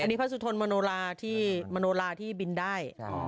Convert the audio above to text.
อันนี้พระสุทนมโนลาที่มโนลาที่บินได้